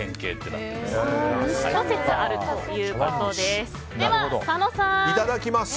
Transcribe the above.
諸説あるということです。